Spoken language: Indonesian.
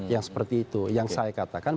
yang seperti itu yang saya katakan